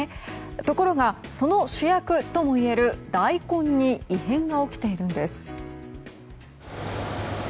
ところがその主役ともいえる大根に異変が起きているんです。